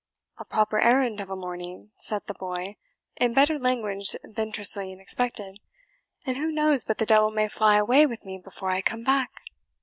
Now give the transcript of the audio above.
"A proper errand of a morning," said the boy, in better language than Tressilian expected; "and who knows but the devil may fly away with me before I come back?"